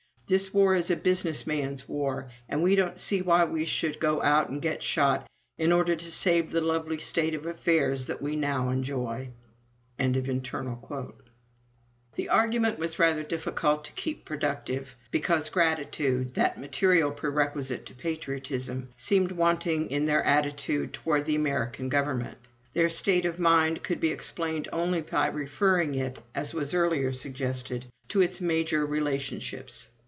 This war is a business man's war and we don't see why we should go out and get shot in order to save the lovely state of affairs that we now enjoy.' "The argument was rather difficult to keep productive, because gratitude that material prerequisite to patriotism seemed wanting in their attitude toward the American government. Their state of mind could be explained only by referring it, as was earlier suggested, to its major relationships.